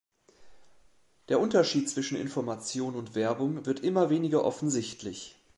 Der Unterschied zwischen Information und Werbung wird immer weniger offensichtlich.